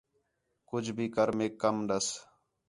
کُجھ بھی کر میک کَم ݙَس